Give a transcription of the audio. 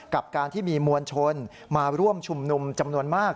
กับการที่มีมวลชนมาร่วมชุมนุมจำนวนมาก